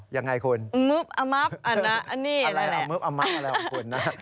อย่างไรคุณอันนี้สักนิดหนึ่งเนี่ย